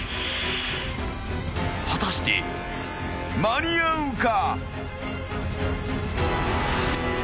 ［果たして間に合うか？］